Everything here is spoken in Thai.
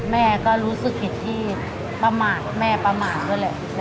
แม่ก็รู้สึกเห็นที่ประมาทแม่ประมาทด้วย